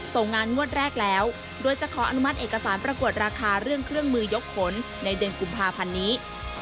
ส่งงานงวดแรกแล้วโดยจะขออนุมัติเอกสารประกวดราคาเรื่องเครื่องมือยกผลในเดือนกุมภาพันธ์นี้